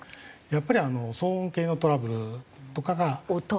やっぱり騒音系のトラブルとかが。音？